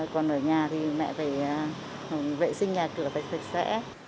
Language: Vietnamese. còn ở nhà thì mẹ phải vệ sinh nhà cửa phải sạch sẽ